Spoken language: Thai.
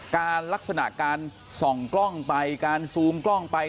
ลักษณะการส่องกล้องไปการซูมกล้องไป